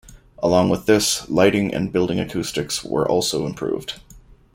Along with this, lighting and building acoustics were also improved.